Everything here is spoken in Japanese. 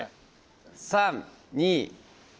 ３・２。